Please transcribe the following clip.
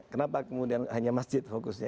kenapa kemudian hanya masjid fokusnya